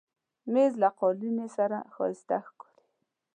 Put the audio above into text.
مېز له قالینې سره ښایسته ښکاري.